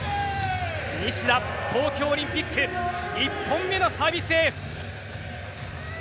西田、東京オリンピック１本目のサービスエース！